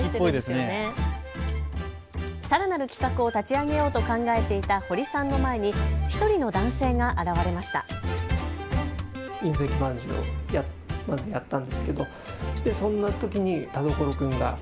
さらなる企画を立ち上げようと考えていた堀さんの前に１人の男性が現れました。